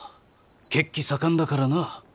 血気盛んだからな。